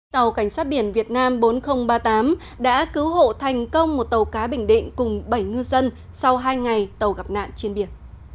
tàu cảnh sát biển việt nam bốn nghìn ba mươi tám đã cứu hộ thành công một tàu cá bình định cùng bảy ngư dân sau hai ngày tàu gặp nạn trên biển